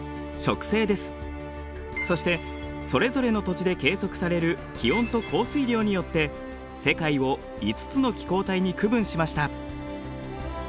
そしてそれぞれの土地で計測される気温と降水量によって世界を５つの気候帯に区分しました。